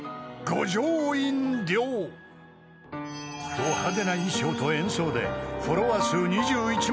［ド派手な衣装と演奏でフォロワー数２１万